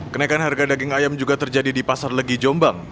kenaikan harga daging ayam juga terjadi di pasar legi jombang